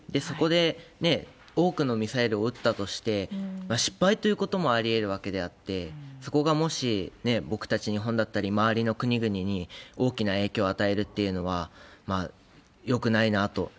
そこで、多くのミサイルを打ったとして、失敗ということもありえるわけであって、そこがもし僕たち日本だったり、周りの国々に大きな影響を与えるっていうのはよくないなと。